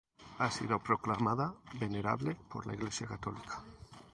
Ha sido proclamada venerable por la Iglesia Católica.